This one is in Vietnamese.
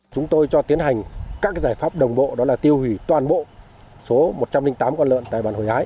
chúng tôi cho tiến hành các giải pháp đồng bộ đó là tiêu hủy toàn bộ số một trăm linh tám con lợn tại bàn hủy ái